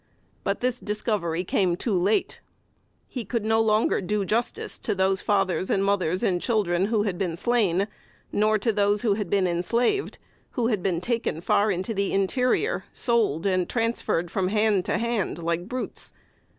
But this discovery came too late. He could no longer do justice to those fathers and mothers and children who had been slain, nor to those who had been enslaved; who had been taken far into the interior, sold and transferred from hand to hand like brutes.